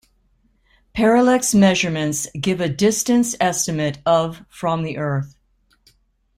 Parallax measurements give a distance estimate of from the Earth.